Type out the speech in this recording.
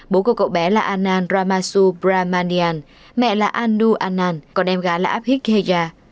bố của cậu bé là anand ramasubramanian mẹ là anu anand còn em gái là abhijit heja